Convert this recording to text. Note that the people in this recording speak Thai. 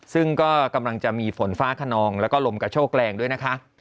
ซึ่งก็กำลังจะมีฝนฟ้าขนองแล้วก็ลมกระโชกแรงด้วยนะคะ